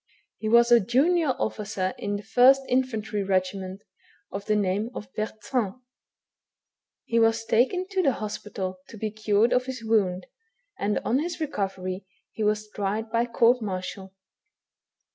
He was a junior officer in the 1st Infantry regiment, of the name of Bertrand. He was taken to the hospital to be cured of his wound, and on his recovery, he was tried by court martial.